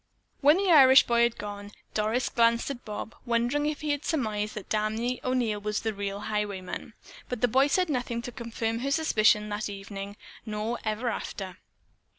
When the Irish boy had gone Doris glanced at Bob, wondering if he had surmised that Danny O'Neil was the real highwayman, but that boy said nothing to confirm her suspicion that evening nor ever after.